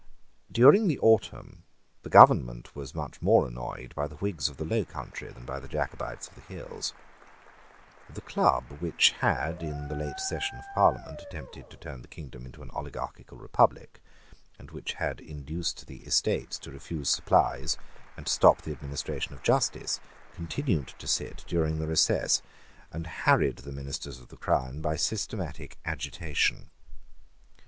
During the autumn the government was much more annoyed by the Whigs of the low country, than by the Jacobites of the hills. The Club, which had, in the late session of Parliament, attempted to turn the kingdom into an oligarchical republic, and which had induced the Estates to refuse supplies and to stop the administration of justice, continued to sit during the recess, and harassed the ministers of the Crown by systematic agitation.